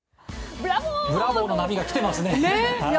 ブラボーの波が来てますね！